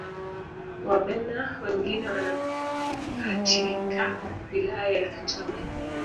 wabena wengine wanapatika wilaya ya njombe